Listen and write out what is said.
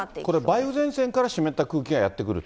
これ、梅雨前線から湿った空気がやって来る？